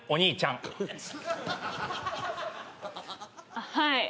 あっはい。